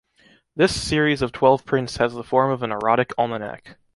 This series of twelve prints has the form of an erotic almanac.